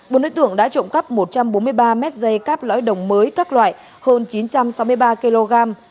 bốn đối tượng đã trộm cắp một trăm bốn mươi ba mét dây cáp lõi đồng mới các loại hơn chín trăm sáu mươi ba kg